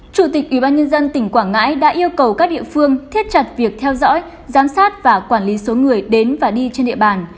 chủ tịch ủy ban nhân dân tỉnh quảng ngãi đã yêu cầu các địa phương thiết chặt việc theo dõi giám sát và quản lý số người đến và đi trên địa bàn